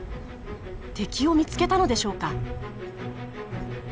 敵を見つけたのでしょうか。